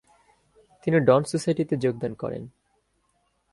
তিনি 'Dawn Society' তে যোগদান করেন।